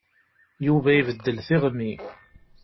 Yuba ibeddel tiɣmi.